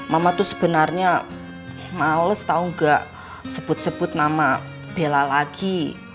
mama tuh sebenarnya males tahu nggak sebut sebut nama bella lagi